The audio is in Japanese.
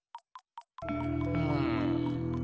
うん。